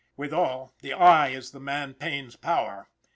Withal, the eye is the man Payne's power.